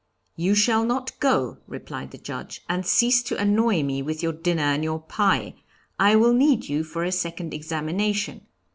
'You shall not go,' replied the Judge, 'and cease to annoy me with your dinner and your pie; I will need you for a second examination.